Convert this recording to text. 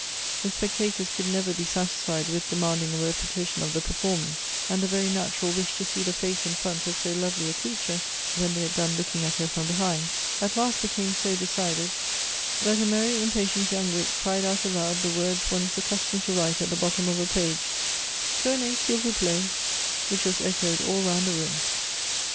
The spectators could never be satisfied with demanding a repetition of the performance, and the very natural wish to see the face and front of so lovely a crea ture, when they had done looking at her from behind, at last became so decided, that a merry impatient young wit, cried out aloud the words one is accustomed to write at the bottom of a page, " Tournez, s'il vous plait," which was echoed all round the room.